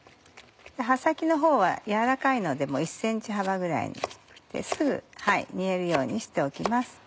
葉先のほうは柔らかいので１ｃｍ幅ぐらいに切ってすぐ煮えるようにしておきます。